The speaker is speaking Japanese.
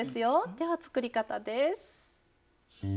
では作り方です。